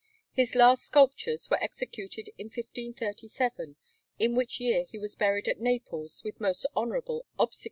His last sculptures were executed in 1537, in which year he was buried at Naples with most honourable obsequies.